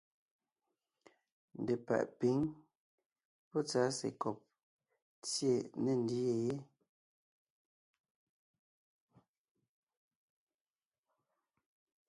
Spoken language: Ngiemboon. Ndepàʼ pǐŋ pɔ́ tsásekɔb tsyé ne ńdyê yé.